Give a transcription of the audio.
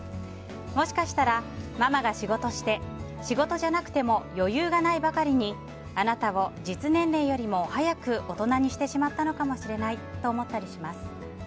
もしかしたら、ママが仕事して仕事じゃなくても余裕がないばかりにあなたを実年齢よりも早く大人にしてしまったのかもしれないと思ったりします。